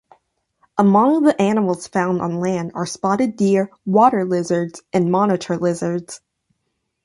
Among the animals found on land are spotted deer, water lizards and monitor lizards.